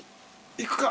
いくか！